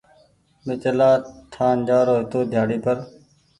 مين چلآ ٺآن جآرو هيتو ڍيآڙي پر۔